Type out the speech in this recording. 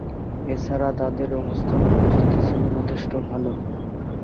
এ ছাড়া তাঁদের অবস্থান ও প্রস্তুতি ছিল যথেষ্ট ভালো।